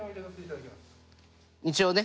一応ね。